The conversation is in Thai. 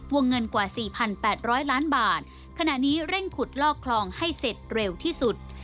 วงเงินกว่า๔๘๐๐ล้านบาทขณะนี้เร่งขุดลอกคลองให้เสร็จเร็วที่สุด